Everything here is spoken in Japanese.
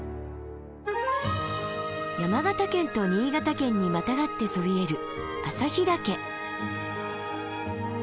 山形県と新潟県にまたがってそびえる朝日岳。